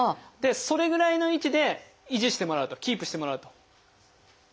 それぐらいの位置で維持してもらうとキープしてもらうと。